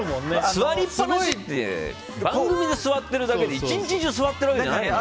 座りっぱなしって番組で座っているだけで１日中座ってるわけじゃないのよ。